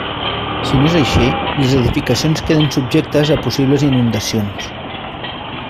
Si no és així, les edificacions queden subjectes a possibles inundacions.